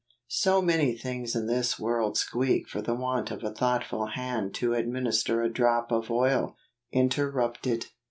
So many things in this world squeak for the want of a thoughtful hand to ad¬ minister a drop of oil. Interrupted.